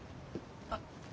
あっ。